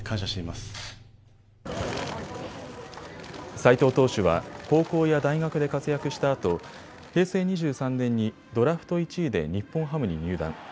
斎藤投手は高校や大学で活躍したあと平成２３年にドラフト１位で日本ハムに入団。